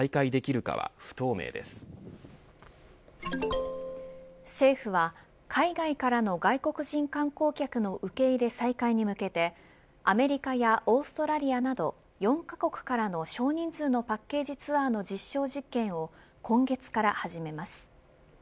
兵士らが無事ウクライナ側に帰還して家族と再会できるかは政府は海外からの外国人観光客の受け入れ再開に向けてアメリカやオーストラリアなど４カ国からの少人数のパッケージツアーの実証実験を今月から始めます。